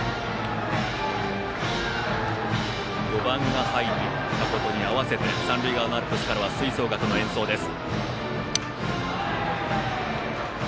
４番が入ったことに合わせて三塁側のアルプスからは吹奏楽の演奏です。